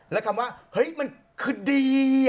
และคำว่าเฮ้ยมันคือดี